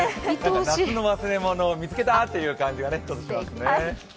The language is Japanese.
夏の忘れ物を見つけたという感じがちょっとしますね。